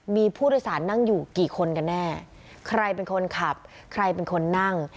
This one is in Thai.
มีผู้โดยสารนั่งอยู่กี่คนกันแน่ใครเป็นคนขับใครเป็นคนนั่ง